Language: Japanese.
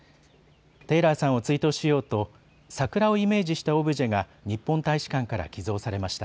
テイラーさんを追悼しようと桜をイメージしたオブジェが日本大使館から寄贈されました。